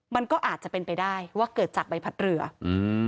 มันก็อาจจะเป็นไปได้ว่าเกิดจากใบพัดเรืออืม